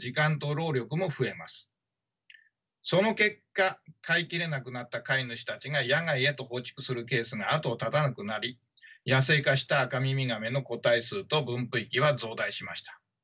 その結果飼い切れなくなった飼い主たちが野外へと放逐するケースが後を絶たなくなり野生化したアカミミガメの個体数と分布域は増大しました。